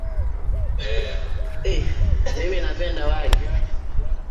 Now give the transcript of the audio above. Mimi napenda wali.